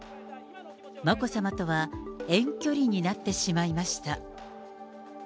眞子さまとは遠距離になってしまいました。